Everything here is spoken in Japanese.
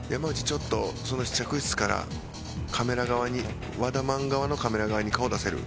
ちょっとその試着室からカメラ側に和田まん側のカメラ側に顔出せる？